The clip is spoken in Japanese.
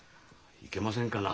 いけませんかな？